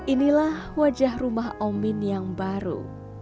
inilah wajah rumah omin yang baru